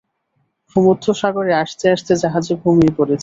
ভূমধ্যসাগরে আসতে আসতে জাহাজে ঘুমিয়ে পড়েছি।